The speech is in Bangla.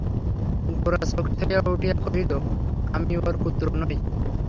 গোরা চকিত হইয়া উঠিয়া কহিল, আমি ওঁর পুত্র নই?